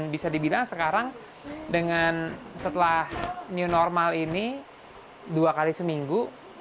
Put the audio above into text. bisa dibilang sekarang dengan setelah new normal ini dua kali seminggu